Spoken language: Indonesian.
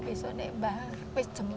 besoknya besok jam empat